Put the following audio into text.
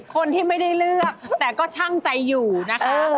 คนที่ไม่ได้เลือกแต่ก็ช่างใจอยู่นะคะ